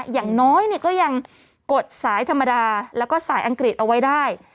อย่างน้อยก็ยังกดสายธรรมดาแล้วก็สายอังกฤษเอาไว้ได้